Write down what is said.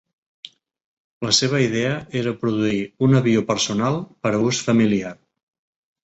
La seva idea era produir un avió personal per a ús familiar.